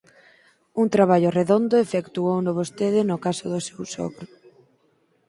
Un traballo redondo efectuouno vostede no caso do seu sogro.